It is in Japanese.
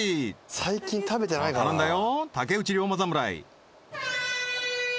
最近食べてないからな頼んだよ竹内涼真侍